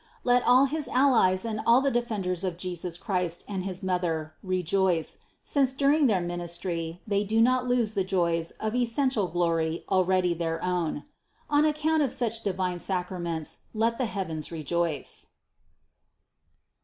Let all his allies and all the defenders of Jesus Christ and his Mother re joice, since during their ministry they do not lose the joys of essential glory already their own. On account of such divine sacraments let the heavens rejoice!